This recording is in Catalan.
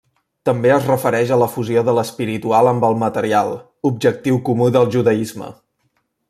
També es refereix a la fusió de l'espiritual amb el material, objectiu comú del judaisme.